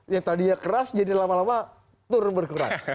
yang tadinya keras jadi lama lama turun berkurang